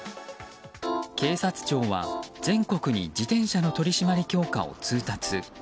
警察庁は全国に自転車の取り締まり強化を通達。